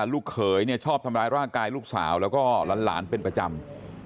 ลูกเขยชอบทำร้ายร่างกายลูกสาวแล้วก็หลานเป็นประจำ